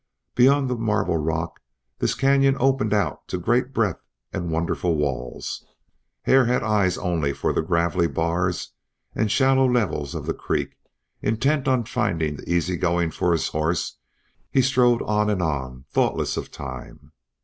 Beyond the marble rock this canyon opened out to great breadth and wonderful walls. Hare had eyes only for the gravelly bars and shallow levels of the creek; intent on finding the easy going for his horse he strode on and on thoughtless of time.